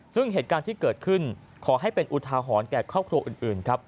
ซึ่งเหตุการณ์ที่เกิดขึ้นขอให้เป็นอุทาหรณ์แก่ครอบครัวอื่นครับ